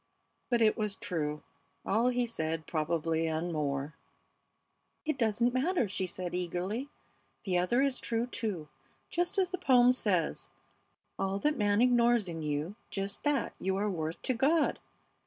"But it was true, all he said, probably, and more " "It doesn't matter," she said, eagerly. "The other is true, too. Just as the poem says, 'All that man ignores in you, just that you are worth to God!'